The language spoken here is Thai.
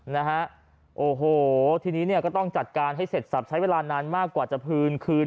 นะฮะโอ้โหทีนี้เนี่ยก็ต้องจัดการให้เสร็จสับใช้เวลานานมากกว่าจะคืนคืน